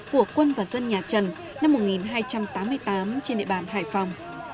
của quân và dân nhà trần năm một nghìn hai trăm tám mươi tám trên địa bàn hải phòng